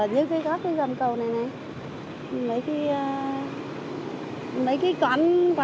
thứ hai là